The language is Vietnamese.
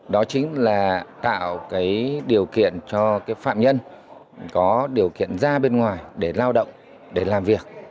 đó chính là tạo điều kiện cho phạm nhân có điều kiện ra bên ngoài để lao động để làm việc